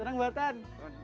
senang mbak putri